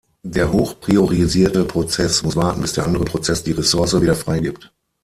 Der hoch priorisierte Prozess muss warten, bis der andere Prozess die Ressource wieder freigibt.